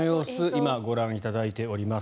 今、ご覧いただいております。